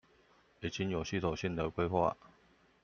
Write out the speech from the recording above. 已經有系統性的規劃